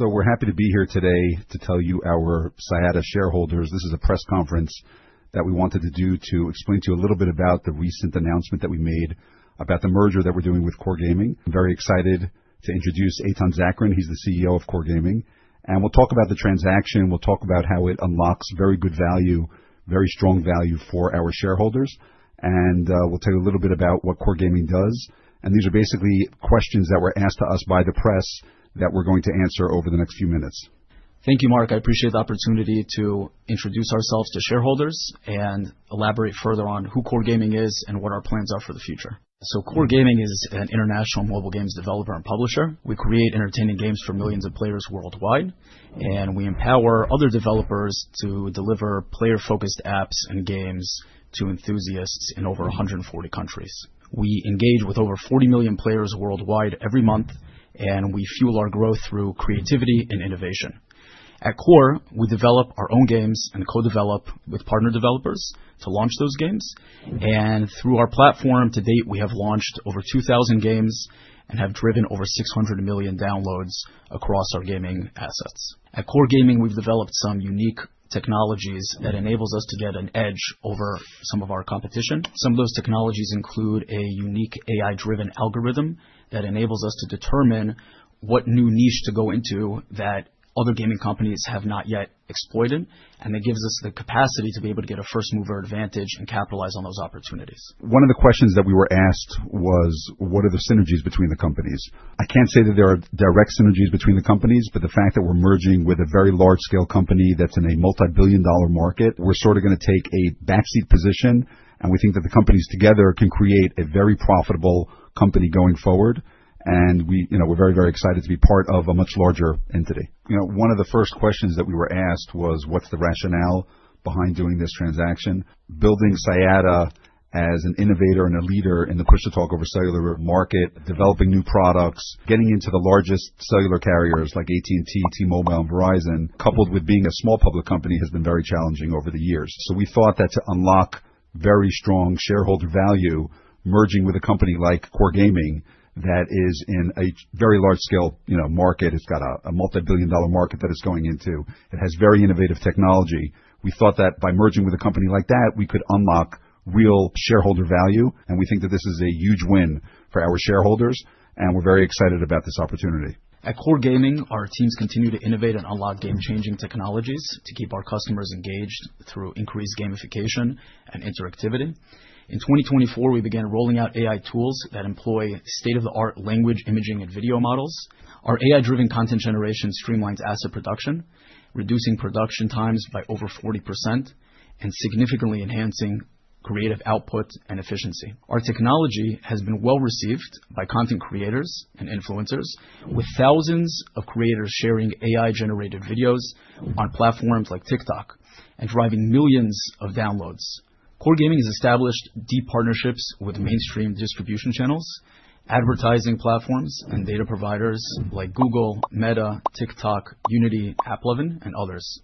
We are happy to be here today to tell you, our Siyata shareholders, this is a press conference that we wanted to do to explain to you a little bit about the recent announcement that we made about the merger that we are doing with Core Gaming. I am very excited to introduce Eitan Zakrin. He is the CEO of Core Gaming. We will talk about the transaction. We will talk about how it unlocks very good value, very strong value for our shareholders. We will tell you a little bit about what Core Gaming does. These are basically questions that were asked to us by the press that we are going to answer over the next few minutes. Thank you, Marc. I appreciate the opportunity to introduce ourselves to shareholders and elaborate further on who Core Gaming is and what our plans are for the future. Core Gaming is an international mobile games developer and publisher. We create entertaining games for millions of players worldwide. We empower other developers to deliver player-focused apps and games to enthusiasts in over 140 countries. We engage with over 40 million players worldwide every month. We fuel our growth through creativity and innovation. At Core, we develop our own games and co-develop with partner developers to launch those games. Through our platform, to date, we have launched over 2,000 games and have driven over 600 million downloads across our gaming assets. At Core Gaming, we've developed some unique technologies that enable us to get an edge over some of our competition. Some of those technologies include a unique AI-driven algorithm that enables us to determine what new niche to go into that other gaming companies have not yet exploited. It gives us the capacity to be able to get a first-mover advantage and capitalize on those opportunities. One of the questions that we were asked was, what are the synergies between the companies? I can't say that there are direct synergies between the companies, but the fact that we're merging with a very large-scale company that's in a multi-billion dollar market, we're sort of going to take a backseat position. We think that the companies together can create a very profitable company going forward. We are very, very excited to be part of a much larger entity. One of the first questions that we were asked was, what's the rationale behind doing this transaction? Building Siyata Mobile as an innovator and a leader in the push-to-talk over cellular market, developing new products, getting into the largest cellular carriers like AT&T, T-Mobile, and Verizon, coupled with being a small public company, has been very challenging over the years. We thought that to unlock very strong shareholder value, merging with a company like Core Gaming that is in a very large-scale market, it's got a multi-billion dollar market that it's going into, it has very innovative technology, we thought that by merging with a company like that, we could unlock real shareholder value. We think that this is a huge win for our shareholders. We're very excited about this opportunity. At Core Gaming, our teams continue to innovate and unlock game-changing technologies to keep our customers engaged through increased gamification and interactivity. In 2024, we began rolling out AI tools that employ state-of-the-art language, imaging, and video models. Our AI-driven content generation streamlines asset production, reducing production times by over 40% and significantly enhancing creative output and efficiency. Our technology has been well received by content creators and influencers, with thousands of creators sharing AI-generated videos on platforms like TikTok and driving millions of downloads. Core Gaming has established deep partnerships with mainstream distribution channels, advertising platforms, and data providers like Google, Meta, TikTok, Unity, AppLovin, and others.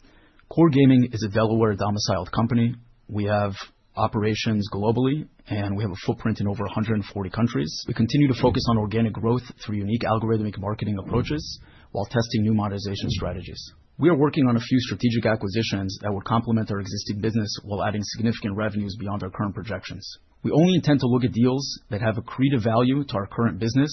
Core Gaming is a Delaware-domiciled company. We have operations globally. We have a footprint in over 140 countries. We continue to focus on organic growth through unique algorithmic marketing approaches while testing new monetization strategies. We are working on a few strategic acquisitions that would complement our existing business while adding significant revenues beyond our current projections. We only intend to look at deals that have accretive value to our current business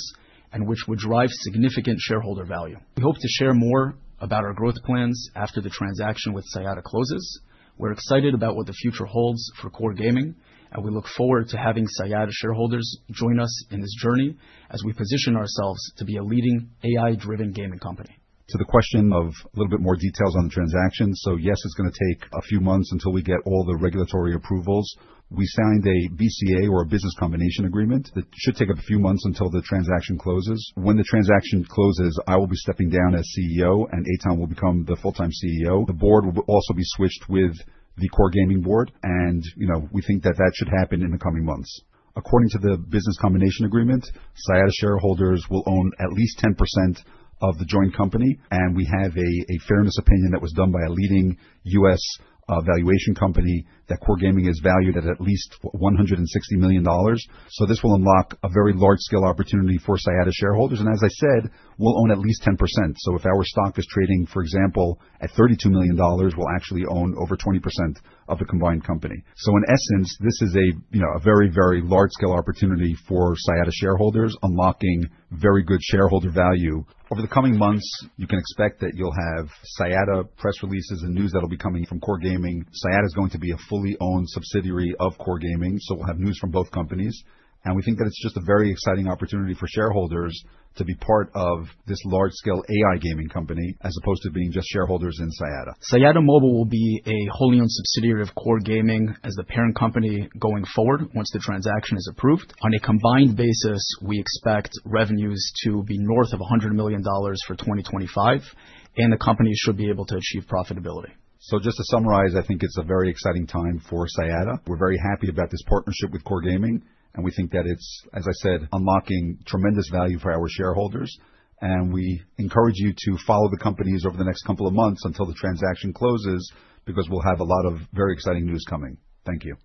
and which would drive significant shareholder value. We hope to share more about our growth plans after the transaction with Siyata closes. We are excited about what the future holds for Core Gaming. We look forward to having Siyata shareholders join us in this journey as we position ourselves to be a leading AI-driven gaming company. To the question of a little bit more details on the transaction, yes, it's going to take a few months until we get all the regulatory approvals. We signed a BCA, or a business combination agreement, that should take a few months until the transaction closes. When the transaction closes, I will be stepping down as CEO, and Aitan will become the full-time CEO. The board will also be switched with the Core Gaming board. We think that that should happen in the coming months. According to the business combination agreement, Siyata shareholders will own at least 10% of the joint company. We have a fairness opinion that was done by a leading U.S. valuation company that Core Gaming is valued at at least $160 million. This will unlock a very large-scale opportunity for Siyata shareholders. As I said, we'll own at least 10%. If our stock is trading, for example, at $32 million, we'll actually own over 20% of the combined company. In essence, this is a very, very large-scale opportunity for Siyata shareholders, unlocking very good shareholder value. Over the coming months, you can expect that you'll have Siyata press releases and news that'll be coming from Core Gaming. Siyata is going to be a fully owned subsidiary of Core Gaming. We'll have news from both companies. We think that it's just a very exciting opportunity for shareholders to be part of this large-scale AI gaming company, as opposed to being just shareholders in Siyata. Siyata Mobile will be a wholly owned subsidiary of Core Gaming as the parent company going forward once the transaction is approved. On a combined basis, we expect revenues to be north of $100 million for 2025. The company should be able to achieve profitability. Just to summarize, I think it's a very exciting time for Siyata Mobile. We're very happy about this partnership with Core Gaming. We think that it's, as I said, unlocking tremendous value for our shareholders. We encourage you to follow the companies over the next couple of months until the transaction closes, because we'll have a lot of very exciting news coming. Thank you.